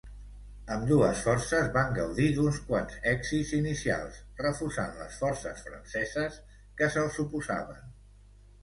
Ambdues forces van gaudir d'uns quants èxits inicials, refusant les forces franceses que se'ls oposaven.